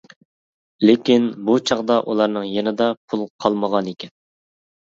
لېكىن، بۇ چاغدا ئۇلارنىڭ يېنىدا پۇل قالمىغانىكەن.